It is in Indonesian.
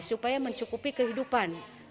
supaya mencukupi kehidupan